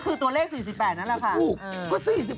ก็คือตัวเลข๔๘นั่นแหละค่ะก็ถูก